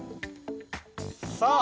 さあ。